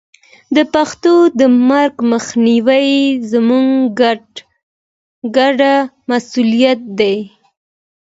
د پښتو د مرګ مخنیوی زموږ ګډ مسوولیت دی.